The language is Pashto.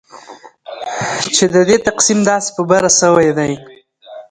چې ددې تقسیم داسي په بره سویدي